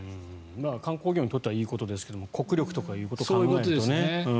観光客にとってはいいことですが国力ということを考えるとね。